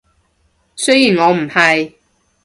雖然我唔係